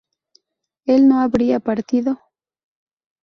¿él no habría partido?